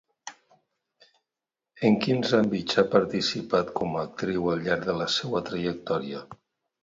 En quins àmbits ha participat com a actriu al llarg de la seva trajectòria?